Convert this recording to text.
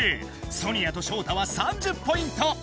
ソニアとショウタは３０ポイント。